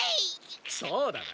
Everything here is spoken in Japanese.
そうだな。